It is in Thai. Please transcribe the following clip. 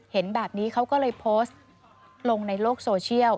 เห็นแบบนี้เขาก็เลยโพสต์ลงในโลกโซเชียล